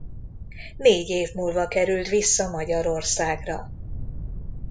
Négy év múlva került vissza Magyarországra.